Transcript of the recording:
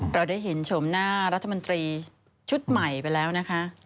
เราได้เห็นชมหน้ารัฐมนตรีชุดใหม่ไปแล้วนะคะ